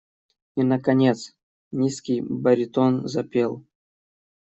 И наконец низкий баритон запел.